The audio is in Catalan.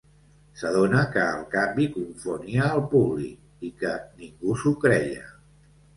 S'adonà que el canvi confonia el públic i que "ningú s'ho creia".